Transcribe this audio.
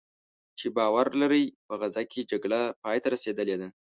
چې باور لري "په غزه کې جګړه پایته رسېدلې ده"